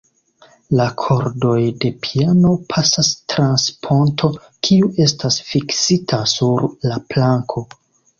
La kordoj de piano pasas trans ponto, kiu estas fiksita sur la planko.